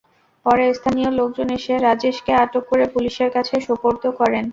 পরে স্থানীয় লোকজন এসে রাজেশকে আটক করে পুলিশের কাছে সোপর্দ করেন।